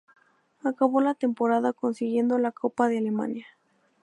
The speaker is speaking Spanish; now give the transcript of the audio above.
Acabó la temporada consiguiendo la Copa de Alemania.